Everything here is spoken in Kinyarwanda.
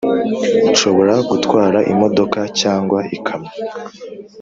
nshobora gutwara imodoka cyangwa ikamyo